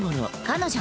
彼女。